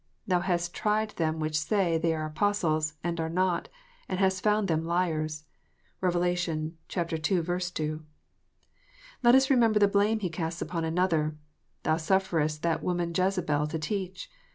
Thou hast tried them which say they are Apostles, and are not, and hast found them liars." (Rev. ii. 2.) Let us remember the blame He casts upon another: "Thou sufferest that woman Jezebel to teach."